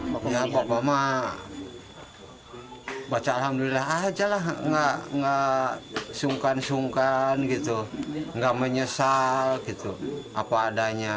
pokoknya bapak bapak mah baca alhamdulillah aja lah nggak sungkan sungkan gitu nggak menyesal gitu apa adanya